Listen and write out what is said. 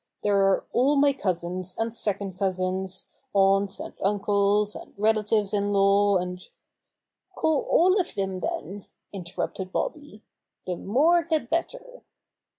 "There are all my cousins and second cousins, aunts and uncles and relatives in law, and —" "Call all of them then!" interrupted Bobby. "The more the better."